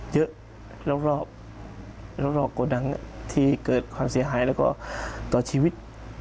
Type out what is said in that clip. เยอะรอบเบียบร้อยกระดับโกดังที่เกิดความเสียหายและก่อนอยู่ชีวิต